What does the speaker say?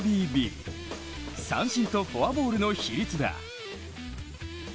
三振とフォアボールの比率だ。